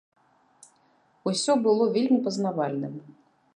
Усё было вельмі пазнавальным.